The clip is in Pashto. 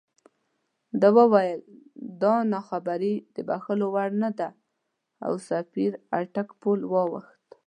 ده وویل دا ناخبري د بښلو وړ نه ده او سفیر اټک پُل واوښت.